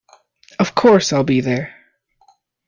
Of course, I’ll be there!